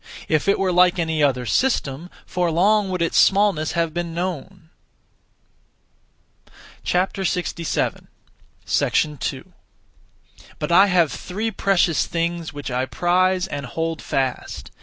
If it were like any other (system), for long would its smallness have been known! 2. But I have three precious things which I prize and hold fast.